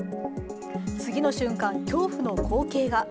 次の瞬間、恐怖の光景が。